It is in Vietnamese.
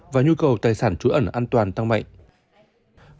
và nhu cầu tài sản trú ẩn an toàn tăng mạnh